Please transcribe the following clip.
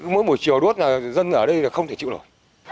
mỗi buổi chiều đốt dân ở đây không thể chịu được